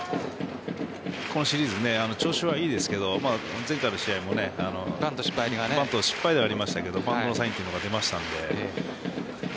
今シリーズ、調子はいいですけど前回の試合もバント、失敗ではありましたけどバントのサインが出たので。